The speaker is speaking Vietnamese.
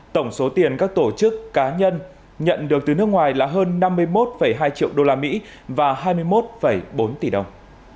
tổng số tiền các tổ chức cá nhân nhận được từ nước ngoài là hơn năm mươi một hai triệu usd và hai mươi một bốn tỷ đồng